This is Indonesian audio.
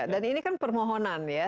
dan ini kan permohonan ya